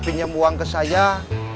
sembarang sembarang sembarang